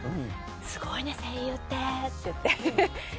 すごいね声優ってって言って。